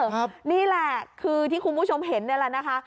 นี่แหละคือที่คุณผู้ชมเห็นนี่แหละนะคะ